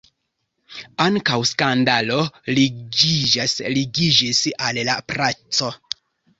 Ankaŭ skandalo ligiĝas al la placo.